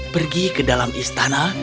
pergi ke dalam istana